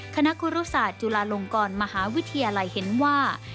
คณะครูรุศาสตร์จุฬาลงกรมหาวิทยาลัยเห็นว่า